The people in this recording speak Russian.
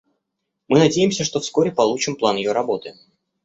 Мы надеемся, что вскоре получим план ее работы.